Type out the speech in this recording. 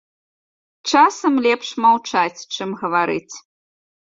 Часам лепш маўчаць, чым гаварыць.